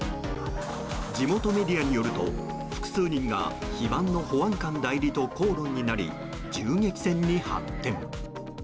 地元メディアによると複数人が非番の保安官代理と口論になり、銃撃戦に発展。